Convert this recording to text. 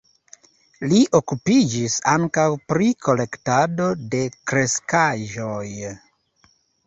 Li okupiĝis ankaŭ pri kolektado de kreskaĵoj.